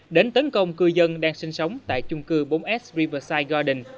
đến tấn công cư dân đang sinh sống tại chung cư bốn s riverside garden